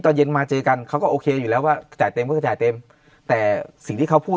ตอนเย็นมาเจอกันเขาโอเคอยู่แล้วแต่เต็มแต่สิ่งที่เขาพูด